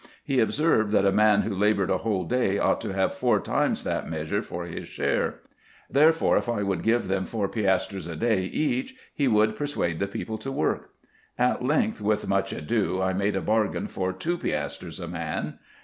He observed, that a man who laboured a whole day ought to have four times that measure for his share ; therefore, if I would give them four piastres a day each, he would persuade the people to work. At length, with much ado, I made a bargain for two piastres a man.